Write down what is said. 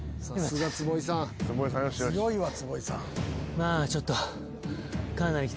まあちょっと。